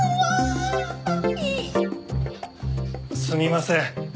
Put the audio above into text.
すみません。